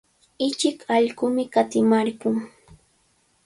Ichik allqumi kanimarqun.